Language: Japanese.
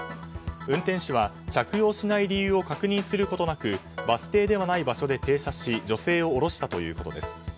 運転手は着用しない理由を確認することなくバス停ではない場所で停車し女性を降ろしたということです。